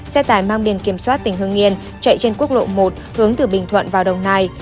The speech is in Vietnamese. xe tải mang biển kiểm soát tỉnh hương yên chạy trên quốc lộ một hướng từ bình thuận vào đồng nai